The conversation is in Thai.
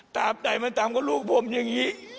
ใดมันตามก็ลูกผมอย่างนี้